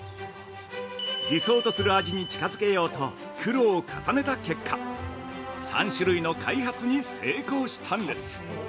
理想とする味に近づけようと苦労を重ねた結果３種類の開発に成功したんです。